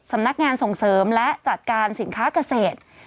สำนักงานส่งเสริมและจัดการสินค้าเกษตร